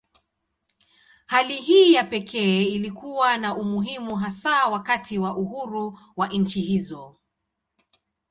Hali hii ya pekee ilikuwa na umuhimu hasa wakati wa uhuru wa nchi hizo.